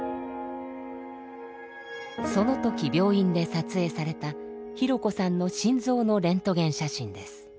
その時病院で撮影されたひろこさんの心臓のレントゲン写真です。